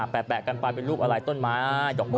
แปะกันไปเป็นรูปอะไรต้นไม้ดอกบัว